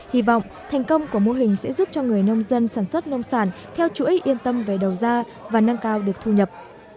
hy vọng thành công của mô hình sẽ giúp cho người nông dân sản xuất nông sản theo chuỗi yên tâm về đầu ra và nâng cao được thu nhập